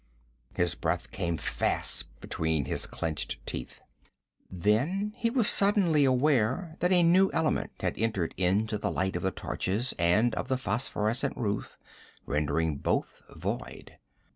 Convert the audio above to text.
His breath came fast between his clenched teeth. Then he was suddenly aware that a new element had entered into the light of the torches and of the phosphorescent roof, rendering both void.